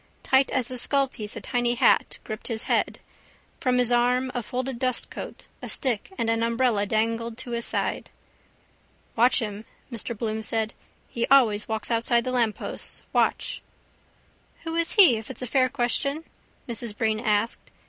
Tight as a skullpiece a tiny hat gripped his head. From his arm a folded dustcoat, a stick and an umbrella dangled to his stride. —Watch him, Mr Bloom said. He always walks outside the lampposts. Watch! —Who is he if it's a fair question? Mrs Breen asked.